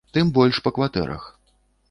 Тым больш, па кватэрах.